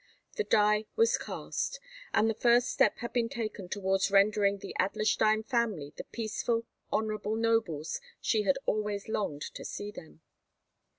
The die was cast, and the first step had been taken towards rendering the Adlerstein family the peaceful, honourable nobles she had always longed to see them.